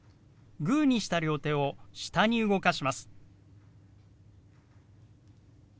グーにした両手を下に動かします。